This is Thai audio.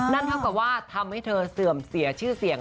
นั่นเท่ากับว่าทำให้เธอเสื่อมเสียชื่อเสียง